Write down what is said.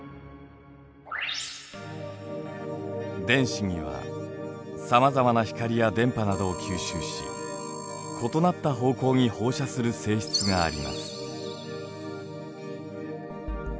電子にはさまざまな光や電波などを吸収し異なった方向に放射する性質があります。